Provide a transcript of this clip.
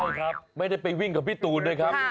ใช่ครับไม่ได้ไปวิ่งกับพี่ตูนด้วยครับ